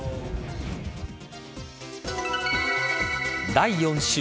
第４週。